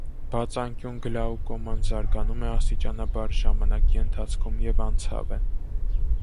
Բաց անկյուն գլաուկոման զարգանում է աստիճանաբար, ժամանակի ընթացքում և անցավ է։